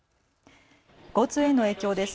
交通への影響です。